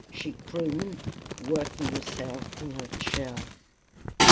she crooned, working herself in her chair.